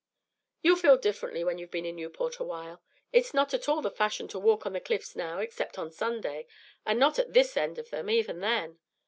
"You'll feel differently when you've been in Newport awhile. It's not at all the fashion to walk on the Cliffs now except on Sunday, and not at this end of them even then.